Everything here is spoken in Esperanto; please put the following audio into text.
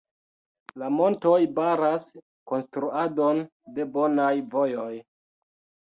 La montoj baras konstruadon de bonaj vojoj.